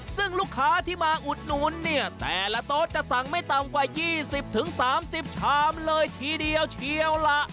ซึ่งลูกค้าที่มาอุดหนุนเนี่ยแต่ละโต๊ะจะสั่งไม่ต่ำกว่า๒๐๓๐ชามเลยทีเดียวเชียวล่ะ